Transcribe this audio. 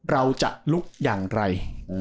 เราจะลุกอย่างไร